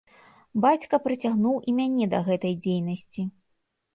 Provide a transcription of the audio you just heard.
Бацька прыцягнуў і мяне да гэтай дзейнасці.